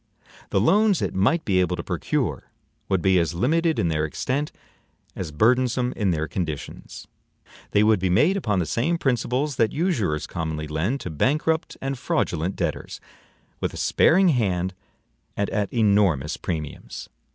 The loans it might be able to procure would be as limited in their extent as burdensome in their conditions. They would be made upon the same principles that usurers commonly lend to bankrupt and fraudulent debtors, with a sparing hand and at enormous premiums.